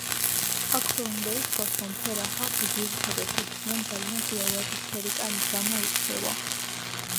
აქვე უნდა ითქვას, რომ ქერა ხალხი ძირითადად, თეთრი ან ძალიან ღია ვარდისფერი კანით გამოირჩევა.